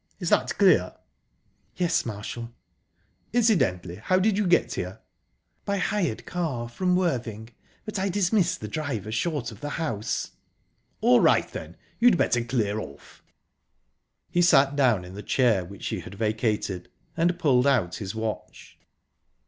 Is that clear?" "Yes, Marshall." "Incidentally, how did you get here?" "By hired car form Worthing, but I dismissed the driver short of the house." "All right, then you'd better clear off." He sat down in the chair which she had vacated, and pulled out his watch.